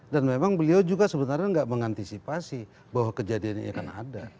dan memang beliau juga sebenarnya gak mengantisipasi bahwa kejadian ini akan ada